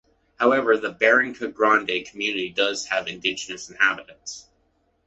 However, the Barranca Grande community does have indigenous inhabitants.